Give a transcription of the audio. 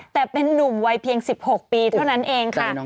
แต่เป็นนุ่มวัยเพียง๑๖ปีเท่านั้นเองค่ะ